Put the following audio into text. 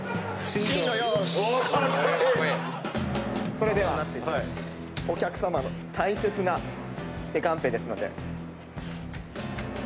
それではお客さまの大切な手カンペですので。